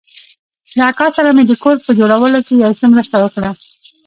له اکا سره مې د کور په جوړولو کښې يو څه مرسته وکړه.